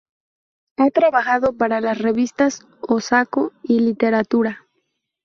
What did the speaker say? Ha trabajado para las revistas "O Saco" y "Literatura".